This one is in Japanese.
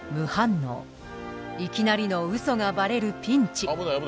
いきなりのウソがバレるピンチ。